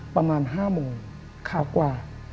ประมาณ๕โมงขากว่า